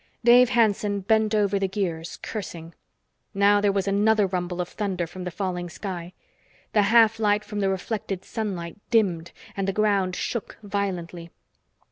Dave Hanson bent over the gears, cursing. Now there was another rumble of thunder from the falling sky. The half light from the reflected sunlight dimmed, and the ground shook violently.